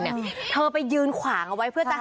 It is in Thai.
คุณผู้หญิงเสื้อสีขาวเจ้าของรถที่ถูกชน